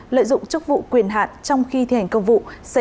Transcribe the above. lợi dụng chức vụ quyền hạn trong khi thi hành công vụ